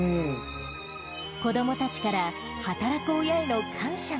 子どもたちから働く親への感